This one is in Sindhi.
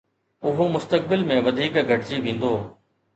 اهو مستقبل ۾ وڌيڪ گهٽجي ويندو